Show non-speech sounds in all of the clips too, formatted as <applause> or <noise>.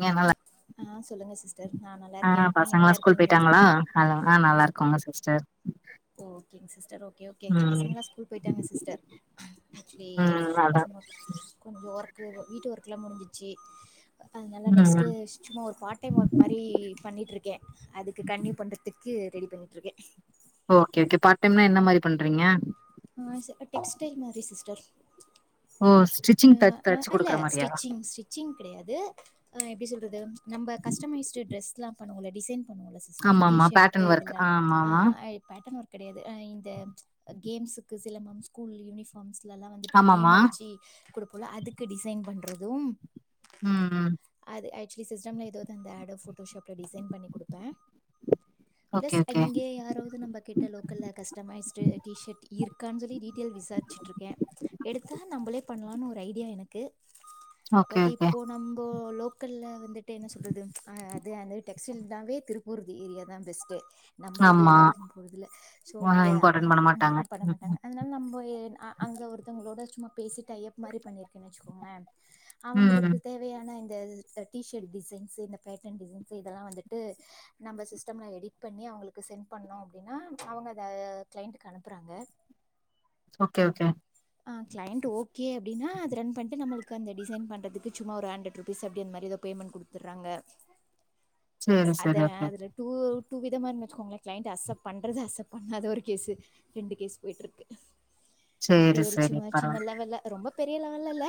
நீங்கனல்ல ஆ சொல்லுங்க சிஸ்டர் நா நல்லா இருக்கே நீங்க நல்லா பசங்கல்லா ஸ்கூல் இருக்கீங்ளா போயிட்டாங்களா ஹலோ ஆ நல்லா ஹ இருக்கோங்க சிஸ்டர் ஓகேங் சிஸ்டர் ஓகே ஓகே ம் பசங்கள்ளா ஸ்கூல் போயிட்டாங்க சிஸ்டர் ம் அதா கொஞ்ச ஒர்க் வீட்டு ஒர்க்கெல்லா முடிஞ்சிச்சு அதனால நெக்ஸ்ட் ம் சும்மா ஒரு பார்ட் டைம் வொர்க் மாரி பண்ணிட்டிருக்கே அதுக் கண்டினியூ பண்றதுக்கு ரெடி பண்ணிட் இருக்கே ஓக்கே ஓக்கே பார்ட் டைம்னீ என்ன மாரி பண்றீங்க ஆ சின்ன டெக்ஸ்டைல் மாரி சிஸ்டர் ஓ அ ஸ்டிச்சிங் தா அ தச்சு இல்ல குடுக்குற மாரியா ஸ்டிச்சிங் ஸ்டிச்சிங் கெடையாது எப்டி சொல்றது நம்ம கஸ்டமைஸ்டு டிரெஸ்ல்லா பண்ணவோல டிசைன் பண்ணுவோல ஆமா ஆமா டிஷர்ட் பேட்டன் ஒர்க் இதெல்லா ஆமா ஆமா ஆயில் பேட்டன் வொர்க் கெடையாது அ இந்த கேம்ஸுக்கு சிலம்பம் ஸ்கூல் யூனிஃபார்ம்ஸ்லல்லா வந்துட்டு ஆமாமா நேம் அடிச்சு குடுப்போல அதுக்கு டிசைன் பண்றதும் ம்ம் அது ஆக்சுவலி சிஸ்டம்ல ஏதாவ்து அந்த ஏட போட்டோ ஷாப்ல டிசைன் பண்ணி குடுப்பே ஓகே பிளஸ் ஓகே அங்கே யாராவ்து நம்ம கிட்ட local customised T shirt இருக்கானு சொல்லி டீடெயில் விசாரிச்ட்டு இருக்கே எடுத்தா நம்மளே பண்லானு ஒரு ஐடியா இருக்கு ஓகே பட் ஓகே இப்போ நம்போ லோக்க க்கல்ல வந்துட்டு என்ன சொல்றது அ அது அந்த டெக்டெயில் தாவே திருப்பூர் அந்த ஏரியா தா பெஸ்ட்டு நம்ம ஆமா ஏரியால அதிகம் போகதில்ல ஸோ ஆ இங்கே இம்பார்ட்டன் பண்ண மாட்டாங்க பண்ண ம் மாட்டாங்க ம் அதனால நம்ப ஆ அங்க ஒருத்தவங்களோட சும்மா பேசி டையப் மாரி பண்ணிருக்கேனு வெச்சுக்கோங்ளே அவங்ளுக்கு ம் தே தேவையான இந்த டீஷேர்ட் டிசைன்ஸ் இந்த பேட்டர்ன் டிசைன்ஸ் இதெல்லா வந்துட்டு நம்ம சிஸ்டம்ல எடிட் பண்ணி அவுங்களுக்கு சென்ட் பண்ணோ அப்டின்னா அவுங்க அத கிளைண்ட்டுக்கு அனுப்புறாங்க ஓகே ஓகே ஆ கிளைண்ட் ஓகே அப்டின்னா அது ரன் பண்ட்டு நம்மள்க்கு அந்த டிசை பண்றதுக்கு சும்மா ஒரு ஹண்ட்ரட் ருபீஸ் அப்டின்மாரி ஏதோ பேமெண்ட் குடுத் த்துறாங்க சேரி அப்ஸ் அத சேரி ஓகே அதுல டூ விதமா வச்சுக்கோங்லே கிளைண்ட் அக்ஸெப்ட் பண்ணறது அக்ஸெப்ட் பண்ணாதது ஒரு கேசு ரெண்டு கேஸ் பொயிட்ருக்கு அப்டி சேரி ஒரு சேரி சும்மா சின்ன பரவால லெவல்ல ரொம்ப பெரிய லெவல்ல இல்ல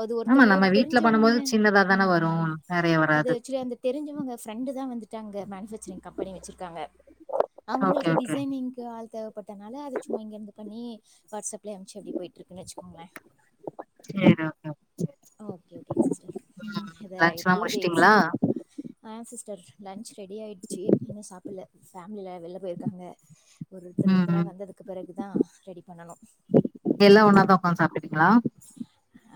அது ஆமா ஒருத்தவங்ளோட நம்ம வீட்ல தெரிஞ்சவங்க பண்ணும்போது சின்னதா தான ம் வரு ம் நெறைய அது வராது சரி ஆக்சுவலி அந்த தெரிஞ்சவங்க ஃப்ரெண்டுதா வந்துட்டு அங்க மேனுபேக்சரிங் கம்பெனி வச்சிருக்காங்க ஓகே அவுங்களுக்கு ஓகே டிசைனிங்க்கு ஆள் தேவைப்பட்டனால அத சும்மா இங்கிருந்து பண்ணி வாட்ஸ்அப்லியே அம்ச்சு அப்டியே பொயிட்ருக்குன்னு வச்சுக்கோங்ளே சேரி ஓகே ஓகே சேரி. ஓகே ஓகே சிஸ்டர் ம் அத லன்ச்லா எப்டியோ அத முடிச்சுட்டீங்களா எக்ஸிக்யூட் ஆ சிஸ்டர் லன்ச் ரெடி ஆய்ட்ச்சு இன்னு சாப்புட்ல ஃபேம்லிலே வெள்ளல பொய்ருக்காங்க ஒருத்தர் ம் ஒருத்தரா ம் வந்ததுக்கு பிறகு ரெடி பண்ணணு எல்லா ஒண்ணாதா உக்க்காந்து சாப்டுவீங்ளா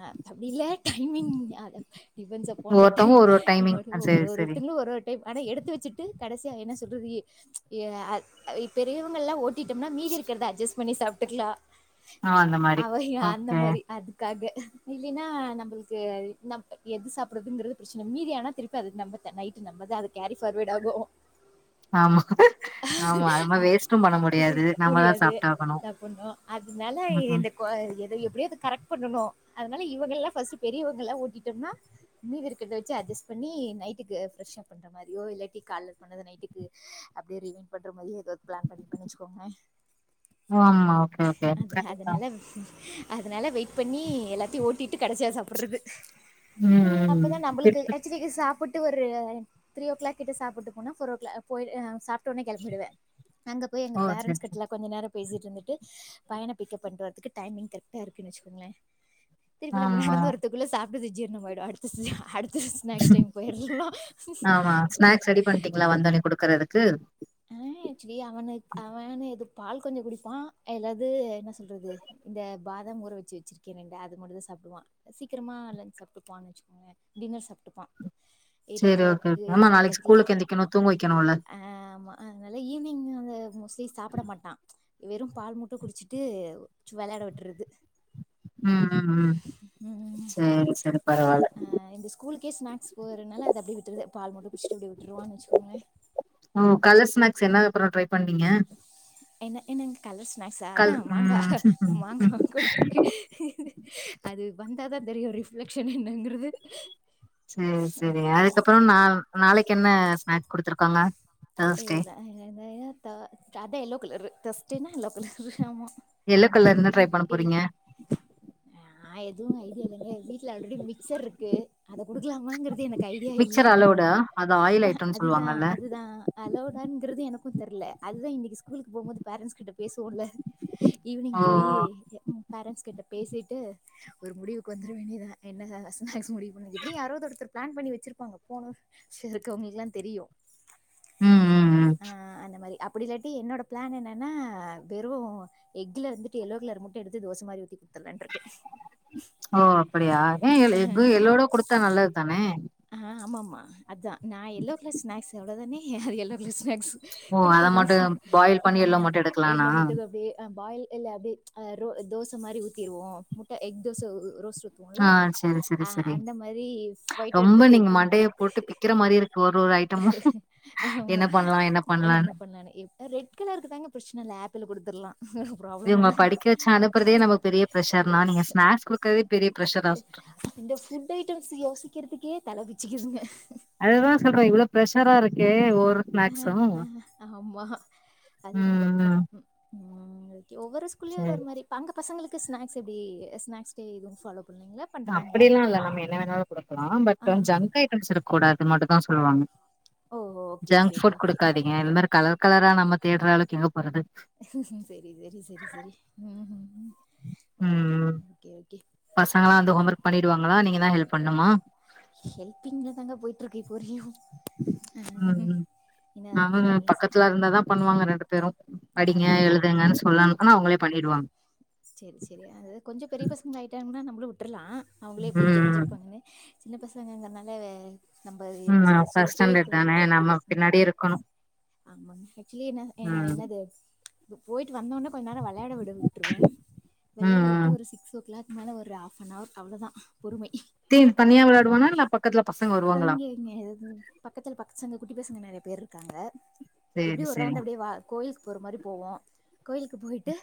அ அப்டி இல்ல டைமிங் அத டிஃப்பன் அப் ஆன்த ஒவ்வொருத்தவங்க டைம் ஒரு டைமிங் ஒரு ஆ செரி செரி ஒருத்தங்ளு ஒரு ஆனா எடுத்து வச்சிட்டு கடைசியா என்ன சொல்றது பெரியவங்க எல்லா ஓட்டிட் டோம்னா மீதி இருக்றத அட்ஜஸ்ட் பண்ணி சாப்ட்டுக்லா ஆ அந்த மாரி அவ அந்த ஓகே மாரி அதுக்காக இல்லின்னா நம்பள்க்கு நம் எது சாப்புட்றதுங்கது பிரச்சன இல்ல மீதியானா திரு து அ நம்மத நைட்டு நம்மதா அது கேரி ஃபார்வேட் ஆகு ஆமா ஆமா அது மாரி வேஸ்ட்டும் பண்ண முடியாது நம்மதா முடியாது சாப்ட்டாகணு சா பண்ணு அதனால ம் ம் இந்த இப்ப எதையுமே கரெக்ட் பண்ணனு அதனால இவுங்க எல்லா பஸ்டு பெரியவங்கெல்லாம் ஓட்டிட்டோம்னா லீவு இருக்கறத வெச்சு அஜஸ் பண்ணி நைட்டுக்கு ஃப்ரஷா பண்ண அந்த மாரியோ இல்லாட்டி காலைல பண்ணத நைட்டுக்கு அப்டியே ரிவைன் பண்ற மாரியோ ஏதாது ப்ளான் பண்ணி பண்ணிவச்சுக்கோங்க ஓ ஆமா ஓகே ஓகே அது கரெக்ட்தா அதனால அதனால வெயிட் பண்ணி எல்லாத்தையு ஓட்டிட்டு கடைசியா சாப்புட்றது ம் ம் அப்போதா நம்புள்க்கு த்ரீக்கு சாப்புட்டு ஒரு த்ரீ ஓ க்ளாக் கிட்ட சாப்புட்டு போனாபோர் ஓ கிளாக் போ சாப் உட்டோனே கெளம்பிஞுவே அங்க போய் எங்க ஓ செரி பேரன்ட்ஸ் செரி கிட்டல கொஞ்சோ நேரோ பேசிட்ருந்துட்டு பையன பிக்கப் பண்ட்டுவற்றதுக்கு டைமிங் கரெக்டா இருக்குனு வச்சுகோங்ளே திருப்பி நம்ம ஆமா நடந்து வரத்துக்குள்ள சாப்டது ஜீரணம்மாயிடு அடுத்து அடு ஸ்நாக்ஸ் டைம் பொயிர்லா தண்ணி குடுக்கறது க்கு ஆ ஆக்சுவலி அவனு அவனு எது பால் கொஞ்சோ குடிப்பா எல்லாது என்ன சொல்றது இந்த பாதாம் ஊர வெச்சு வச்சுச்சிருக்கேன்ல அது மட்டு தா சாப்டுவா சீக்ரமா லன்ச் சாப்ட்டுப்பான்னு வச்சுக்கோ டின்னர் சாப்ட்டுபா சரி ஓகே ஓகே ஆமா நாளைக்கு ஸ்கூலுக்கு எந்திக்கணு தூங்க வைக்கணு இல்ல ஆ ஆம அதனால ஈவ்னிங் அந்த மோஸ்ட்லி சாப்ட மாட்டா வெறு பால் மட்டு குடிச்சிட்டு வெளையாட விட்டுறது ம் ம் ம் ம் செரி செரி பரவால்ல அ இந்த ஸ்கூலுகே ஸ்னாக்ஸ் போறனால அத அப்டியே விட்டுறது பால் மட்டு குடிச்சிட்டு அப்டி விட்டுருவான் வச்சுசுோங்ள ஓ கால்ல ஸ்நாக்ஸ் என்ன அப்றோ ட்ரை பண்ணீங்க என்ன என்னங்க கலர்ஸ் ஸ்நாக்ஸ்ஸ அதா கல் மாங்கா ம் ம் மாங்கா குடுத்துற்கு அது வந்தாதா தெரியு ரிஃப்ளெக்ஷன் என்னங்கறது சேரி சேரி அதுக்கப்புற நா நாளைக்கு என்ன ஸ்நாக்ஸ் குடுத்துருக்காங்க தேர்ஸ்டே <unintelligible> அதா எல்லோ கலர் தேஸ்டன்னா எல்லோ கலர் ஆமா எல்லோ கலர் என்ன ட்ரை பண்ண போறீங்க ஆ எதுவு ஐடியா இல்லைங்க வீட்ல ஆல்ரெடி மிக்சர் இருக்கு அத கொடுக்கலாமாங்கறது எனக்கு ஐடியா இல்ல மிக்சர் அலோடா அது ஆயில் ஆ ஐட்டம்னு அதுதா சொல்லுவாங்கல்ல அதுதா அலௌடாங்கிறது எனக்கு தெரில அதுதா இன்னைக்கு ஸ்கூலுக்கு போம்போது பேரண்ட்ஸ் கிட்ட பேசுவோம்ல ஈவினிங் ஓ போய் பேரண்ட்ஸ் கிட்ட பேசிட்டு ஒரு முடிவுக்கு வந்துடவேண்டிதா என்ன ஸ்னாகஸ் முடிவு பண்ணி எப்டியு யாராவது ஒருத்தத்துல பிளான் பண்ணி வச்சிருப்பாங்க போனது <unintelligible> அவங்களுக்குலா தெரியு ம் ம் ம் ஆ அந்த மாரி அப்டி இல்லாட்டி என்னோட பிளான் என்னன்னா வெறு எக்ல இருந்துட்டு எல்லோ கலர மட்டு எடுத்து தோச மாரி ஊத்தி குடுத்துலான்னு இருக்க ஓ அப்டியா ஏன் எஃகு எல்லோடோ கொடுத்தா நல்லது தானே ஆ ஆம ஆமா அதா நா எல்லோ கலர் ஸ்நாக்ஸ் எவ்வளவு தானே அது எல்லோ கலர் ஸ்நாக்ஸு ஓ அத கொடுத்துருவோ மட்டு பாயில் பண்ணி எல்லோ மட்டு எடுக்கலானா எல்லோ மட்டு அப்டியே பாயில் இல்ல அப்டி அ ரோ தோச மாரி ஊத்திருவோ முட்டை எக் தோச ரோஸ்டு போல ஆ சேரி சேரி ஆ சேரி அந்த மாரி ஃபயட்டு எடுத்து ரொம்ப நீங்க எக்கு மட்டு மண்டைய எடுத்து போட்டு பிக்கிற மாரி இருக்கு ஒரு ஒரு ஐட்டமு ஆமா என்ன பண்லா என்ன பண்லான்னு பண்ணலானு எக் ரெட்கலருக்கு தாங்க பிரச்சன இல்ல ஆப்பிள் கொடுத்துடலாம் ஒரு ப்ரோப் இவங்க படிக்க வச்சு அனுப்புறதே நமக்கு பெரிய பிரெஷர்னா நீங்க ஸ்நாக்ஸ் கொடுகறதே பெரிய பிரஷர் சொல்றிங்க இந்த ஃபுட் ஐட்டம்ஸ் யோசிக்கிறதுக்கே தலை பிச்சுக்குதுங்க அதுதா சொல்ற இவ்ளோ ப்ரஷரா இருக்கே ஒர் ஆமா அதுதா இப்ப ம் ம் ப்ராப்ளம் ம் ஓகே ஒவ்வொரு ஸ் கூல்லயு ஒரு ஒரு சேரி மாரி ப அங்க பசங்களுக்கு ஸ்நாக்ஸ் எப்டி ஸ்நாக்கு ஏது ஃபாலோ பண்வீங்களா அப்டிலா இல்ல நம்ம என்ன வேணாலு கொடுக்கலா ஆ. பட் ஜங்க் ஐட்டம்ஸ் இருக்க கூடாது அத மட்டு தா சொல்லுவாங்க ஓ! Okay, okay, junk okay, food okay. குடுக்காதீங்க இந்த மாரி கலர் கலரா நம்ம தேட்டுற அளவுக்கு எங்க போறது செரி செரி செரி செரி ம் ம் ம் ஓகேங்க ஓகே பசங்களா வந்து ஹோம் ஒர்க் பண்ணிடுவாங்களா நீங்க தா ஹெல்ப் பண்ணுமா ஹெல்பிங்ல தாங்க போயிட்டு இருக்கு இப்ப வரையு ம் ஆஹ் ம் என்ன வந்து அவங்க தனியா செய் பக்கத்துல இருந்தாதா பண்ணுவாங்க ரெண்டு பேரு படிங்க ஆ. எழுதுங்கன்னு சொல்லனு ஆனா அவங்களே பண்ணிடுவாங்க சேரி சேரி அது கொஞ்சோ பெரிய பசங்க ஆயிட்டாங்கன்னா நம்மளு விட்டுரலா அவுங்களே எப்டி ம் தெரிஞ்சுப்பாங்கனு சின்ன பசங்கங்கனால நம்ம என்ன ம் சொல்றது ஃபர்ஸ்ட் சொல்லிட்டே இருக்க ஸ்டாண்டர்ட் தானே வேண்டியதா இருக்குது நம்ம உம் பின்னாடியே இருக்கணு ஆமாங்க ஆக்சுவலி என்ன எ ம் என்னது போயிட்டு வந்தோனே கொஞ்ச நேர வெளையாட விடுவ விட்டுருவே வெளாட ம் ம் விட்டு ஒரு சிக்ஸ் ஓ கிளாக் மேல ஒரு ஆஃப் அன் அவர் அவ்வளவுதா பொறுமை தீல் தனியா வெளையாடுவானா இல்ல பக்கத்துல பசங்க வருவாங்களா <unintelligible> பக்கத்துல பக்கத்து சந்துல குட்டி பசங்க நெறைய பேர் இருக்காங்க சேரி எப்பிடியு ஒரு சேரி ரவுண்ட் அப்பிடியே வா கோயிலுக்கு போற மாரி போவோ கோயிலுக்கு போயிட்டு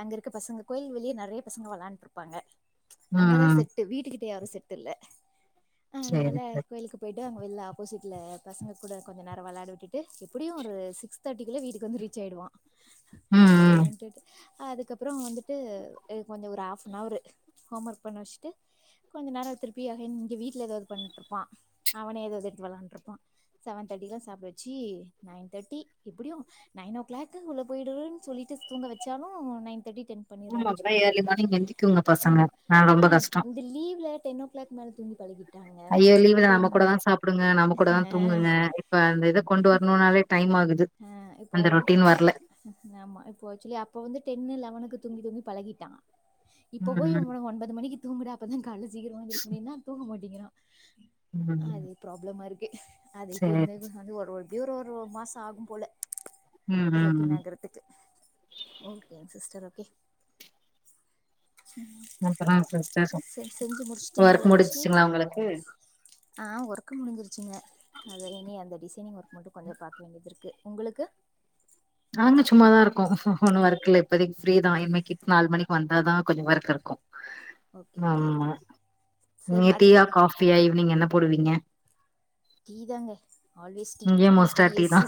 அங்க இருக்க பசங்க கோயில் வெளியே நெறைய பசங்க வேளாண்டுட்டு இருப்பாங்க ம் அங்கதா ம் செட்டு வீட்டுக்கிட்ட யாரு செட்டு இல்ல அதனால சேரி சேரி கோயிலுக்கு போயிட்டு அங்க வெல ஆப்போசிட்ல பசங்க கூட கொஞ்ச நேரொ வெளாடவிட்டுட்டு எப்பிடியு ஒரு சிக்ஸ் தேர்ட்டிக்குள்ள வீட்டுக்கு வந்து ரீச் ஆயிடுவா ம் ம் வெளான்ட்டுட்டு அதுக்கப்புற வந்துட் ட்டு கொஞ்சொ ஒரு half an hour home work பண்ண வச்சிட்டு கொஞ்ச நேரம் திருப்பி அகைன் இங்க வீட்டுல எதாவது பண்ணிட்ருப்பா அவனே ஏத்தாது எடுத்து வெளாண்டுட்ருப்பா செவன் தேர்டில்லா சாப்பிட வச்சு நைன் தேர்ட்டி எப்பிடியு நைன் ஓ க்ளாக்கு உள்ள போயெடுவன் சொல்லிட்டு தூங்க வச்சாலு நைன் தேட்டி டென் பண்ணிர்றான் ஆமா அப்பதா வெச்சுக்கோங்க ஏர்லி மார்னிங் எந்திக்குங்க பசங்க ஆ அ ரொம்ப கஷ்டோ இந்த லீவ்ல டென் ஓ க்ளாக் முன்னால தூங்கி பழகி ஐயோ லீவுல நம்ம கூடதா சாப்டுங்க நம்ம கூடதா ஆ தூங்குங்க இப்ப அந்த இத கொண்டு வரைணுன்னாலே டைம் ஆகுது ஆ இப்ப அந்த ரொட்டீன் வரல இ ஆமா இப்போ ஆக்சுலி அப்பொ வந்து டென்னு லெவனுக்கு தூங்கி தூங்கி பழகிட்டா இப்போ போய் ம் அவன ஒன்பது மணிக்கு தூங்குடா அப்பதா கால்ல சீக்கிரமா எந்திரிக்க முடியுன்னா தூங்க மாட்டேங்கிறா ம் ம் அதே ப்ராப்ளமா இருக்கு அது இப்ப சேரி இந்தது வந்து ஒரு ஒருப்பியு ஒரு ஒரு ஒரு மாசோ ஆகும் போல ம் ரொட்டீன் ம் ஆகுறதுக்கு ஓகேங் சிஸ்டர் ஓகே ம் அப்பறோ சிஸ்டர் செர் செஞ்சு முடிச்சுட்டீங்களா ஒர்க் லன்ச்சு முடிஞ்சுச்சுங்களா உங்களுக்கு ஆ ஒர்க்கு முடிஞ்சிருச்சுங்க அத இனி அந்த டிசைனிங் ஒர்க் மட்டு கொஞ்சொ பாக்க வேண்டியது இருக்கு உங்களுக்கு நாங்க சும்மாதா இருக்கோ ஒன்னு ஒர்க்கில்ல இப்போதிக்கி ஃப்ரீதா இன்மேக்கி நாலு மணிக்கு வந்தாதா கொஞ்சொ ஒர்க் இருக்கு ஓகே ஓகே ஆம்மா சேம் நீங்க அதே டீயா காஃபியா ஈவ்னிங் என்ன போடுவீங்க டீ தாங்க ஆல்வேஸ் டீ இங்கயு டீ மோஸ்ட்டா தா பீரியஸ்ஸு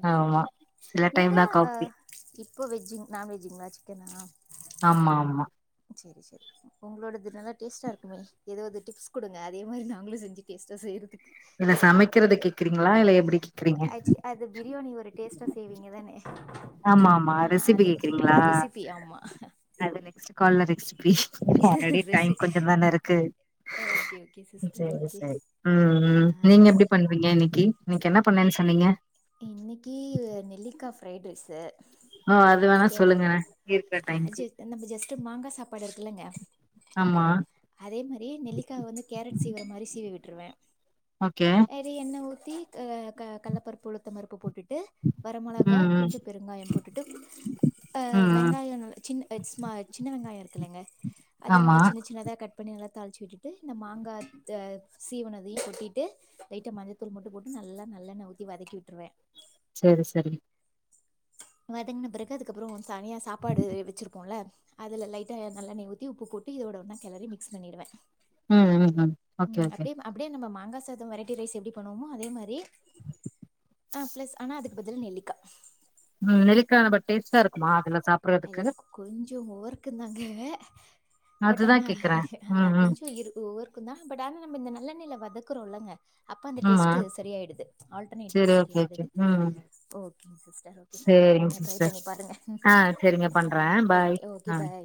ஓகே ஓகே ஆமா சில டைம் நீங்க தா அ காஃபி இப்போ வெஜ்ஜுங் நான் வெஜ்ஜுங்ளா சிக்கனா ஆமா ஆமா சேரி சேரி உங்களோடது நல்லா டேஸ்ட்டா இருக்குமே ஏதாவ்து டிப்ஸ் குடுங்க அதே மாரி நாங்களு செஞ்சு டேஸ்ட்டா செய்றத்துக்கு என்ன சமைக்கிறதுக்கு கேக்குறீங்ளா இல்ல எப்டி கேக்குறீங்க ஆக்சுவலி அது பிரியாணி ஒரு டேஸ்ட்டா செய்வீங்க தானே ஆமா ஆமா அ ரெசிபி அது கேக்குறீங்களா ரெசிபி ஆமா அது நெக்ஸ்ட் கால்ல ரெஸிபி ஆல்ரெடி டைம் ரெசி கொஞ்சந் தான இருக்கு ஓகே ஓகே சிஸ்டர் சேரி ஓகே சேரி ம் ம் நீங்க ஆ எப்டி பண்ணுவீங்க இன்னக்கி இன்னைக் என்ன பண்ணேன் சொன்னீங்க இன்னக்கி நெல்லிக்கா ஃப்ரைட் ரைஸு ஆ அது வேணா சொல்லுங்கள இருக்குற டைம்க்கு நம்ப ஜஸ்ட்டு மாங்கா சாப்பாடு இருக்குல்லங்க ஆமா அதே மாரியே நெல்லிக்கா வந்து கேரட் சீவுற மாரி சீவி விட்ருவ ஓகே எரி எண்ண ஊத்தி க க கல்லபருப்பு உளுத்தம் பருப்பு போட்டுட்டு வர மொளகா ம் ம் கொஞ்சம் பெருங்கயம் போட்டுட்டு அ ம் ம் வெங்காயொ நல்ல சின் ஸ்ம சின்ன வெங்காயொ இருக்குல்லங்க அத நல்ல ஆமா சின்னச் சின்னதா கட் பண்ணி நல்லா தாளிச்சி விட்டுவிட்டு இந்த மாங்கா ஜ சீவுனதையு கொட்டிட்டு லைட்டா மஞ்சத்தூள் மட்டு போட்டு நல்லா நல்லெண்ண ஊத்தி வதக்கி விட்ருவே சேரி செரி வதங்ன பிறகு அதுக்கப்றோ தனியா சாப்பாடு வச்சிருப்போல்ல அதுல லைட்டா நல்லெண்ணய ஊத்தி உப்பு போட்டு இதோட ஒண்ணா கெலரி மிக்ஸ் பண்ணிருவ ம் ம் ம் ஓகே ஓகே அப்டியே நம்ப மாங்கா சாதோ வெரைட்டி ரைஸ் எப்டி பண்ணுவோமோ அதே மாரி ஆ ப்ளஸ் ஆனா அதுக்கு பதில் நெல்லிக்கா ம் நெல்லிக்கா பட் டேஸ்டா இருக்குமா அதுல சாப் இல கொஞ்சோ உவர்க்கு தாங்க பட் அதுதா ஆனா கேக்குறே ஆ ம் ம் கொஞ்சோ இரு உவர் கு தா பட் ஆனா நம்ம இந்த நல்லெண்ணெய்ல வதக்குறோள்ளங்க அப்ப அந்த ஆமா டெஸ்ட்டு சரியாயிடுது ஆல்டர்னேட்டிவ் செரி ஓகே சரிய ஓகே ஆயிடுது ம் ஓகேங் சிஸ்டர் ஓகே சிஸ் சேரிங்க நீங்க ட்ரை சிஸ்டர் பண்ணி பாருங்க ஆ செரிங்க பண்றே பாய் ஆ பாய்